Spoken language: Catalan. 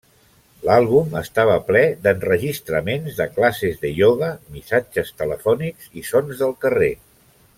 L'àlbum estava ple d'enregistraments de classes de ioga, missatges telefònics i sons del carrer.